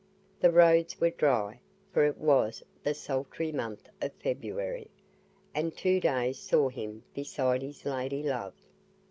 The roads were dry, for it was the sultry month of February; and two days saw him beside his lady love.